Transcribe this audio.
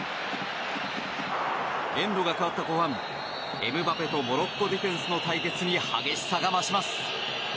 エンドが変わった後半エムバペとモロッコディフェンスの対決に激しさが増します。